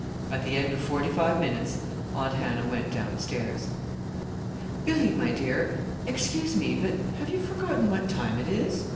At the end of forty five minutes Aunt Hannah went down stairs. "Billy, my dear, excuse me, but have you forgotten what time it is?